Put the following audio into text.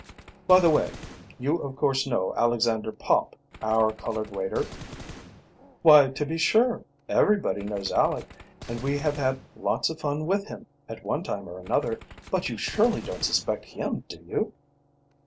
"By the way, you of course know Alexander Pop, our colored waiter." "Why, to be sure! Everybody knows Aleck, and we have had lots of fun with him, at one time or another. But you surely don't suspect him, do you?"